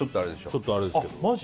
ちょっとあれですけどあっマジ？